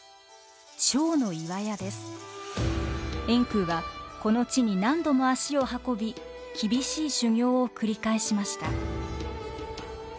円空はこの地に何度も足を運び厳しい修行を繰り返しました。